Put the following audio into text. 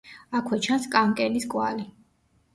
აქვე ჩანს კანკელის კვალი.